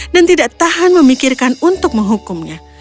dan tidak tahan memikirkan untuk menghukumnya